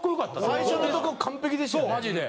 最初のとこ完璧でしたよね。